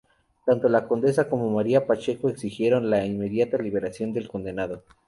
Tanto la condesa como María Pacheco exigieron la inmediata liberación del condenado.